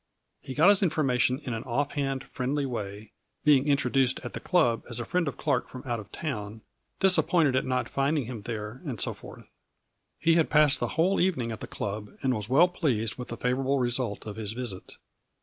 He got his information in an off hand friendly way, being introduced at the club as a friend of Clark from out of town, disappointed at not finding him there, and so forth. He had passed the whole evening at the club and was well pleased with the favorable result of his visit.